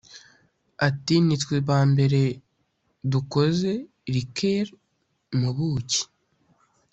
At “Ni twe ba mbere dukoze Liqueur mu buki